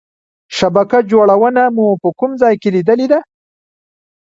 شبکه جوړونه مو په کوم ځای کې لیدلې ده؟